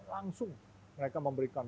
langsung mereka memberikan